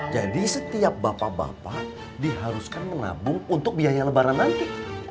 jadi setiap bapak bapak diharuskan menabung untuk biaya lebaran nanti